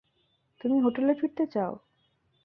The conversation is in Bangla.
তুমি হোটেলে ফিরতে চাও?